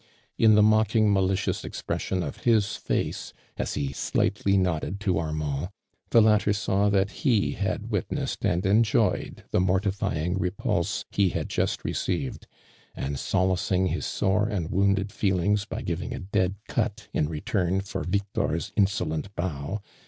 In the jnocking, malicious expression of his foce, aa ho aUghtly nodded to Aiminul, t he letter saw that he l^d witiicsHed and enjoypd the mortiiyiiig repulse he had juBt rep^lved, and aolaping hia aoro and wounded tei^iukg? by giving (v dead out in return lor Victor's inaoilent bow.